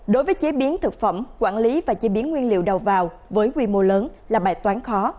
đối với chế biến thực phẩm quản lý và chế biến nguyên liệu đầu vào với quy mô lớn là bài toán khó